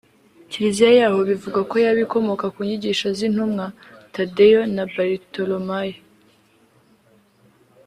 Kiliziya yaho bivugwa ko yaba ikomoka ku nyigisho z’intumwa Thadeyo na Baritolomayo